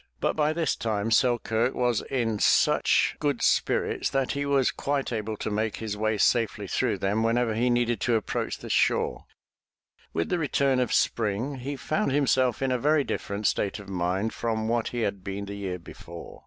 But by this time Selkirk was in such 343 MY BOOK HOUSE good spirits that he was quite able to make his way safely through them whenever he needed to approach the shore. With the return of spring, he found himself in a very different state of mind from what he had been the year before.